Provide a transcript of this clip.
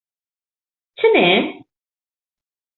Ce n'è?